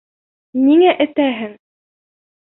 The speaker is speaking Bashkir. Ниңә этәһең?